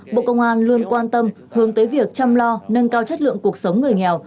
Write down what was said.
bộ công an luôn quan tâm hướng tới việc chăm lo nâng cao chất lượng cuộc sống người nghèo